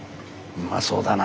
うまそうだな。